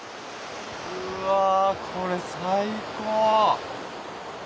うわこれ最高。